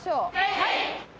はい。